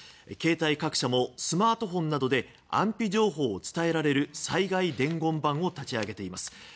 携帯各社もスマートフォンなどで安否情報を伝えられる災害伝言板を立ち上げています。